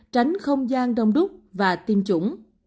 tránh không gian đông đúc và tiêm chủng